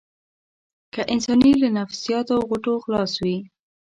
که انسان له نفسياتي غوټو خلاص وي.